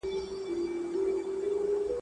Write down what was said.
نه په پښو کي یې لرل کاږه نوکونه ..